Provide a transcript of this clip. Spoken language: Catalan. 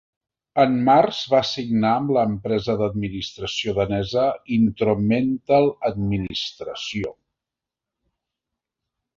En març van signar amb l'empresa d'administració danesa Intromental Administració.